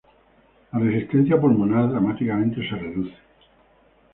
La resistencia pulmonar dramáticamente se reduce.